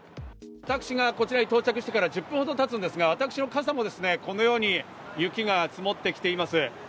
私がこちらに到着してから１０分ほど経つんですが、私の傘もこのように雪が積もってきています。